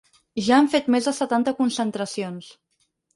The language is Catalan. Ja han fet més de setanta concentracions.